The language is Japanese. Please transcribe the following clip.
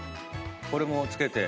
これも付けて。